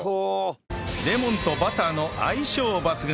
レモンとバターの相性抜群！